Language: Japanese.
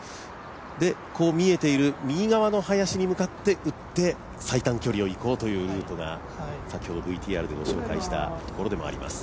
こう見えている、右側の林に向かって打って最短距離を行こうというルートが先ほどＶＴＲで紹介したところでもあります。